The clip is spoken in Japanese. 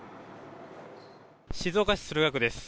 静岡市駿河区です。